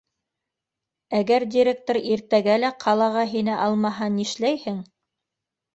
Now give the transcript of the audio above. — Әгәр директор иртәгә лә ҡалаға һине алмаһа, нишләйһең?.